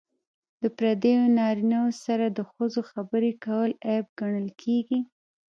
د پردیو نارینه وو سره د ښځو خبرې کول عیب ګڼل کیږي.